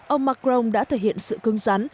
ông macron đã thể hiện sự cưng rắn